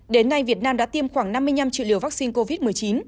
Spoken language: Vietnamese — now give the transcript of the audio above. đến nay việt nam đã tiêm khoảng năm mươi năm triệu liều vaccine covid một mươi chín